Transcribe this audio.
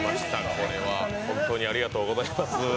これは本当にありがとうございます。